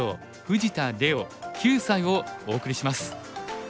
藤田怜央９歳」をお送りします。